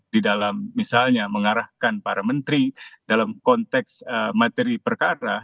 di dalam misalnya mengarahkan para menteri dalam konteks materi perkara